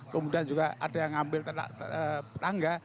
kemudian juga ada yang ngambil tangga